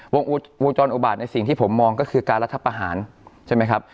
วงจรอุบาตในสิ่งที่ผมมองก็คือการรัฐประหารใช่ไหมครับ